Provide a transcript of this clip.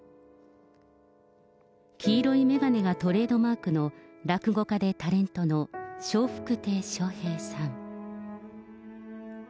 黄色い眼鏡がトレードマークの、落語家でタレントの笑福亭笑瓶さん。